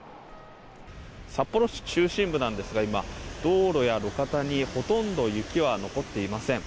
札幌市中心部なんですが今、道路や路肩にほとんど雪は残っていません。